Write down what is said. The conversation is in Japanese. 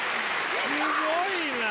すごいな！